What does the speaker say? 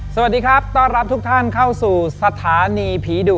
สวัสดีครับต้อนรับทุกท่านเข้าสู่สถานีผีดุ